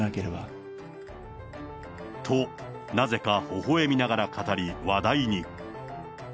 と、なぜかほほえみながら語り、話題に。